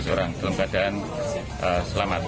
sebelas orang dalam keadaan selamat